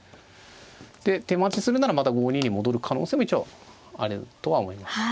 で手待ちするならまた５二に戻る可能性も一応あるとは思います。